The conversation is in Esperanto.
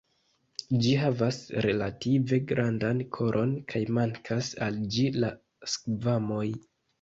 Ĝi havas relative grandan koron kaj mankas al ĝi la skvamoj.